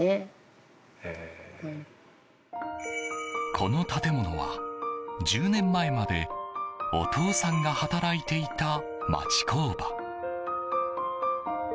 この建物は、１０年前までお父さんが働いていた町工場。